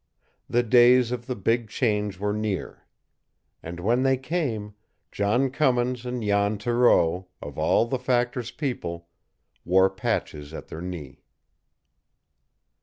The days of the big change were near. And when they came, John Cummins and Jan Thoreau, of all the factor's people, wore patches at their knee.